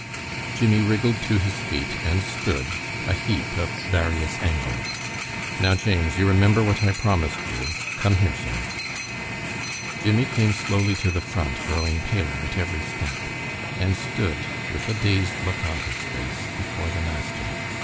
Jimmie wriggled to his feet, and stood a heap of various angles. "Now, James, you remember what I promised you? Come here, sir!" Jimmie came slowly to the front, growing paler at each step, and stood with a dazed look on his face, before the master.